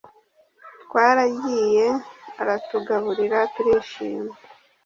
Twaragiye aratugaburira turishima